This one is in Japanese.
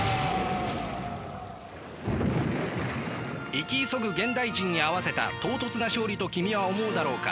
生き急ぐ現代人に合わせた唐突な勝利と君は思うだろうか。